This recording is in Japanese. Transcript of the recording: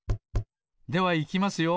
ではいきますよ。